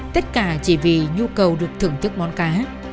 tất cả chỉ vì nhu cầu được thưởng thức món cá